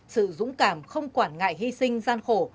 sự dũng cảm không quản ngại hy sinh gian khổ